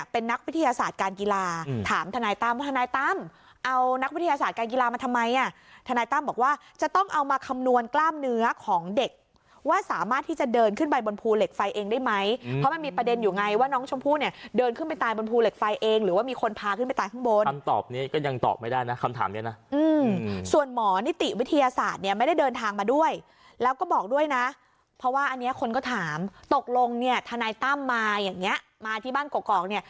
เป็นนักวิทยาศาสตร์การกีฬาถามทนายตั้มว่าทนายตั้มเอานักวิทยาศาสตร์การกีฬามาทำไมอ่ะทนายตั้มบอกว่าจะต้องเอามาคำนวณกล้ามเนื้อของเด็กว่าสามารถที่จะเดินขึ้นไปบนภูเหล็กไฟเองได้ไหมเพราะมันมีประเด็นอยู่ไงว่าน้องชมพู่เนี้ยเดินขึ้นไปตายบนภูเหล็กไฟเองหรือว่ามีคนพาขึ้นไปตายข้าง